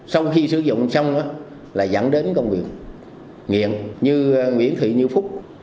sau khi sử dụng xong là dẫn đến công việc nghiện như nguyễn thị như phúc